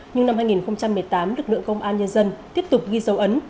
nhưng năm hai nghìn một mươi tám lực lượng công an nhân dân tiếp tục ghi dấu ấn